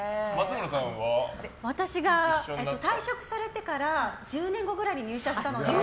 退職されてから１０年後くらいに入社したので。